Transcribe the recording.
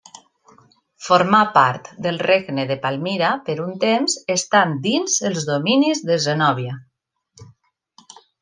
Formà part del regne de Palmira per un temps estant dins els dominis de Zenòbia.